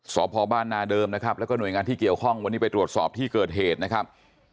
สพบ้านนาเดิมนะครับแล้วก็หน่วยงานที่เกี่ยวข้องวันนี้ไปตรวจสอบที่เกิดเหตุนะครับ